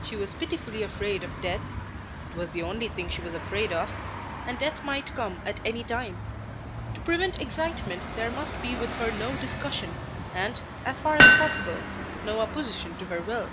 She was pitifully afraid of death it was the only thing she was afraid of and death might come at any time. To prevent excitement there must be with her no discussion, and, as far as possible, no opposition to her will.